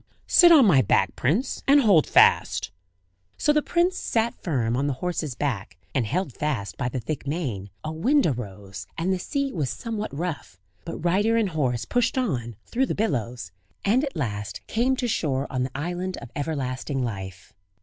"Sit on my back, prince, and hold fast." So the prince sat firm on the horse's back, and held fast by the thick mane; a wind arose, and the sea was somewhat rough; but rider and horse pushed on, through the billows, and at last came to shore on the island of Everlasting Life.